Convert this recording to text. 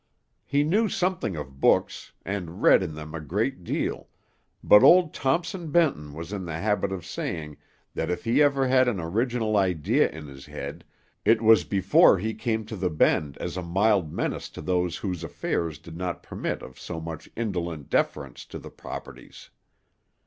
He knew something of books, and read in them a great deal, but old Thompson Benton was in the habit of saying that if he ever had an original idea in his head, it was before he came to the Bend as a mild menace to those whose affairs did not permit of so much indolent deference to the proprieties.